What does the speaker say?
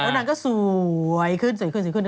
แล้วนางก็สวยขึ้นสวยขึ้น